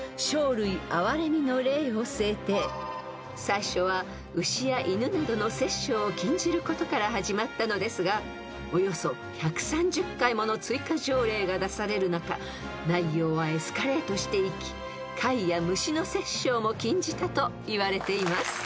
［最初は牛や犬などの殺生を禁じることから始まったのですがおよそ１３０回もの追加条例が出される中内容はエスカレートしていき貝や虫の殺生も禁じたといわれています］